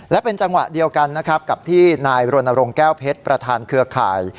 และเป็นจังหวะเดียวกันนะครับกับที่นายรณรงค์แก้วเพชรประธานเครือข่าย